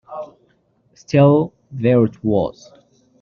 Still, there it was.